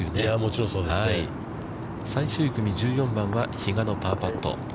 最終組、１４番は比嘉のパーパット。